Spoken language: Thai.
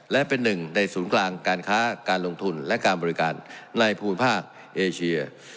และเป็นหนึ่งในศูนย์กลางการค้าการลงทุนและการบริการในภูมิภาคเอเชีย